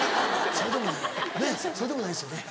ねっそうでもないですよね。